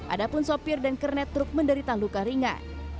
ada pun sopir dan kernet truk menderita luka ringan